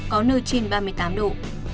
có nơi trên ba mươi tám độ